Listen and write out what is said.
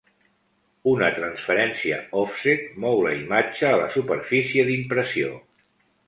Una transferència òfset mou la imatge a la superfície d'impressió.